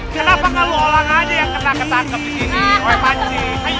kenapa ngelolong aja yang kena ketangkep ini